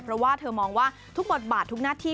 เพราะว่าเธอมองว่าทุกบทบาททุกหน้าที่